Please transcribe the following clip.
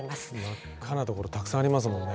真っ赤なところたくさんありますもんね。